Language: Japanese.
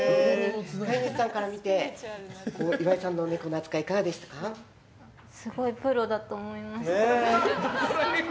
飼い主さんから見て岩井さんのネコの扱いすごいプロだと思いました。